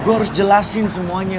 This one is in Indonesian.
gue harus jelasin semuanya